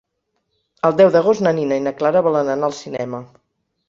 El deu d'agost na Nina i na Clara volen anar al cinema.